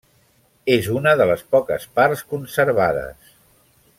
És una de les poques parts conservades.